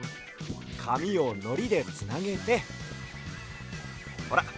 かみをのりでつなげてほら